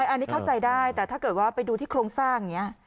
อันนี้เข้าใจได้แต่ถ้าเกิดว่าไปดูที่โครงสร้างอย่างนี้